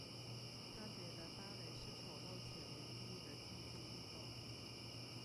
她觉得芭蕾是丑陋且无意义的竞技运动。